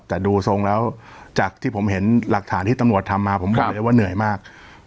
แต่ดูทรงแล้วจากที่ผมเห็นหลักฐานที่ตำรวจทำมาผมบอกเลยว่าเหนื่อยมาก